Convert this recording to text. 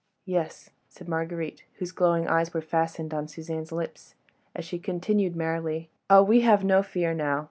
"Yes," said Marguerite, whose glowing eyes were fastened on Suzanne's lips, as she continued merrily: "Oh, we have no fear now!